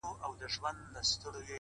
مسافر ليونى,